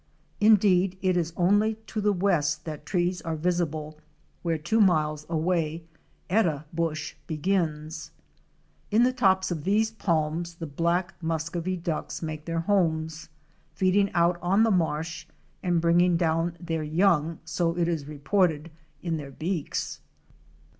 Indeed it is only to the west that trees are visible, where two miles away 'eta bush" begins. In the tops of these palms the black Muscovy Ducks make their homes, feeding out on the marsh and bring ing down their young —s'0 it is reported — in their beaks.